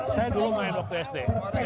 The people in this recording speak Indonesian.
saya dulu main waktu sd